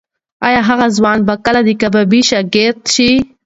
ایا هغه ځوان به کله د کبابي شاګرد شي؟